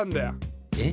えっ？